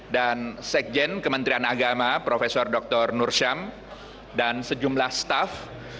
dan sekjen kementerian agama prof dr nursyam dan sejumlah staff